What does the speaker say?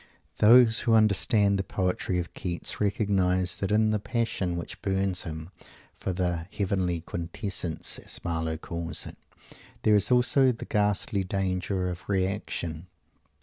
Those who understand the poetry of Keats recognise that in the passion which burns him for the "heavenly quintessence" as Marlowe calls it, there is also the ghastly danger of reaction.